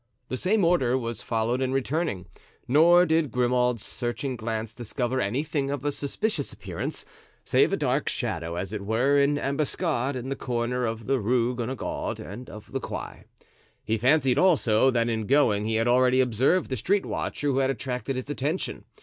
The same order was followed in returning, nor did Grimaud's searching glance discover anything of a suspicious appearance, save a dark shadow, as it were, in ambuscade, at the corner of the Rue Guenegaud and of the Quai. He fancied, also, that in going he had already observed the street watcher who had attracted his attention.